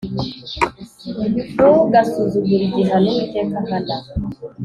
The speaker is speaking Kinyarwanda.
ntugasuzugure igihano Uwiteka ahana,